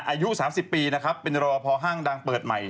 อายุ๓๐ปีนะครับเป็นรอพอห้างดังเปิดใหม่